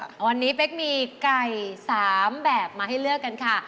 วันนี้เป๊กมีไก่๓แบบมาให้เลือกกันค่ะ